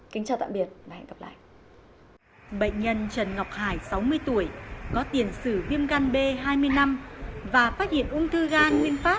kính chào tạm biệt và hẹn gặp lại